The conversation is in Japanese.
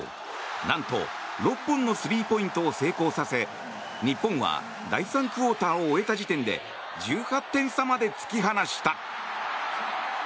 なんと６本のスリーポイントを成功させ日本は第３クオーターを終えた時点で１８点差まで突き放した。